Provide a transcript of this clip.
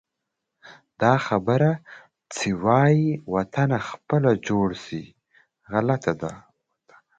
دا خبره چې وایي: وطنه خپله جوړ شي، غلطه ده.